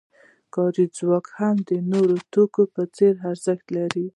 کاري ځواک هم د نورو توکو په څېر ارزښت لري